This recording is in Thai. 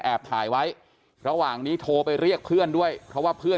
ถ่ายไว้ระหว่างนี้โทรไปเรียกเพื่อนด้วยเพราะว่าเพื่อน